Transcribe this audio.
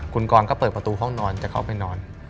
คุณกรก็เปิดประตูห้องนอนจะเข้าไปนอน